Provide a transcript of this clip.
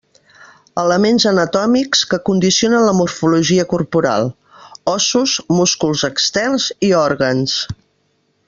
Elements anatòmics que condicionen la morfologia corporal: ossos, músculs externs i òrgans.